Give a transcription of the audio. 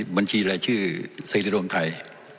บัญชีรายชื่อเสรีรวมไทย